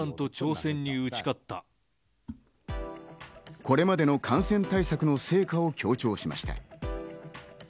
これまでの感染対策の成果を強調しました。